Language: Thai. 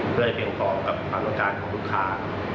เพื่อให้เพียงพอกับความต้องการของลูกค้า